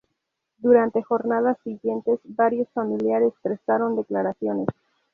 Durante jornadas siguientes, varios familiares prestaron declaraciones.